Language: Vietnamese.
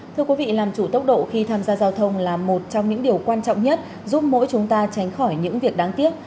thưa quý vị làm chủ tốc độ khi tham gia giao thông là một trong những điều quan trọng nhất giúp mỗi chúng ta tránh khỏi những việc đáng tiếc